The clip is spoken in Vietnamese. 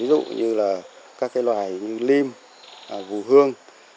ví dụ như các loài lim vù hương